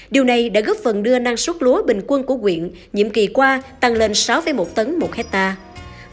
điều này đã góp phần đưa năng suất lúa bình quân của quyện nhiệm kỳ qua tăng lên sáu một tấn một hectare